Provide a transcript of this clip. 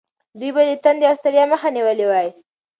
دوی باید د تندې او ستړیا مخه نیولې وای.